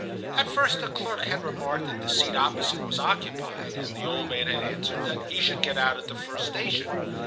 At first the clerk had remarked that the seat opposite was occupied, and the old man had answered that he should get out at the first station.